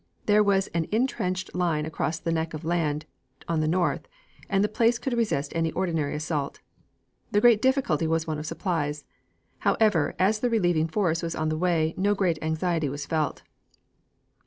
There was an intrenched line across the neck of land on the north, and the place could resist any ordinary assault. The great difficulty was one of supplies. However, as the relieving force was on the way, no great anxiety was felt.